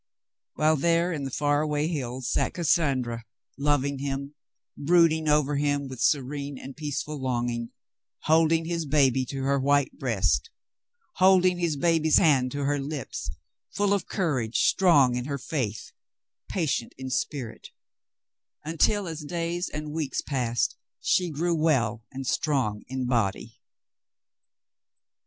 While there in the far away hills sat Cassandra, loving him, brooding over him with serene and peaceful longing, hold ing his baby to her white breast, holding his baby's hand to her lips, full of courage, strong in her faith, patient in spirit, until as days and weeks passed she grew well and strong in body.